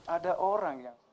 ada orang ya